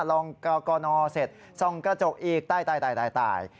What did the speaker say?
ลองก่อนออเสร็จซ่องกระจกอีกตาย